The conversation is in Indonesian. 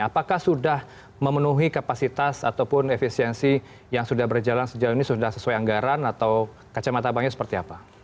apakah sudah memenuhi kapasitas ataupun efisiensi yang sudah berjalan sejauh ini sudah sesuai anggaran atau kacamata banknya seperti apa